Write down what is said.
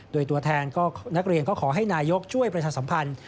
โดยตัวแทนนักเรียนก็ขอให้นายกช่วยประชาสัมพันธ์